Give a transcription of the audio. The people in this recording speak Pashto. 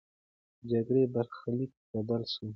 د جګړې برخلیک بدل سو.